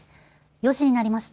４時になりました。